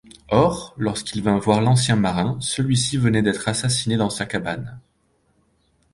Or, lorsqu'il vint voir l'ancien marin, celui-ci venait d'être assassiné dans sa cabane.